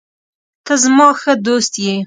ته زما ښه دوست یې.